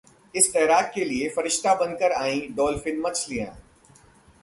इस तैराक के लिए फरिश्ता बनकर आईं डॉल्फिन मछलियां